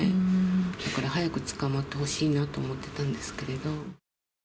だから早く捕まってほしいなと思ってたんですけれど。